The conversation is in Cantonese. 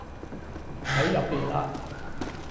喺入面嘞